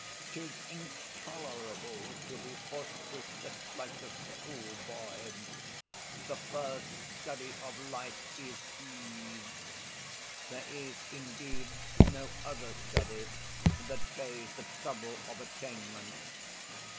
'Tis intolerable to be forced to sit like a schoolboy. The first study of life is ease. There is indeed no other study that pays the trouble of attainment.